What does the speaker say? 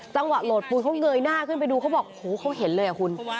โหลดปูนเขาเงยหน้าขึ้นไปดูเขาบอกโหเขาเห็นเลยอ่ะคุณ